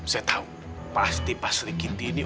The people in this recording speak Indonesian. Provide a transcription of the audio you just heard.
saya tau pasti pak rikiti ini